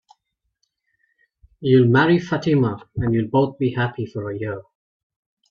You'll marry Fatima, and you'll both be happy for a year.